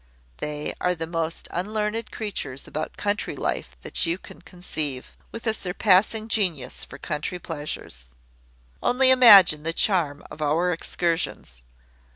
They are the most unlearned creatures about country life that you can conceive, with a surpassing genius for country pleasures. Only imagine the charm of our excursions!